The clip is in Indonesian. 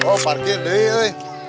oh parkir deh